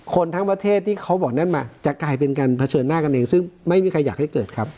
ทั้งประเทศที่เขาบอกนั่นมาจะกลายเป็นการเผชิญหน้ากันเองซึ่งไม่มีใครอยากให้เกิดครับ